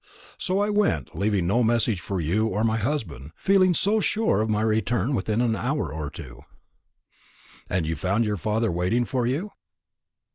So I went, leaving no message for you or for my husband, feeling so sure of my return within an hour or two." "And you found your father waiting for you?"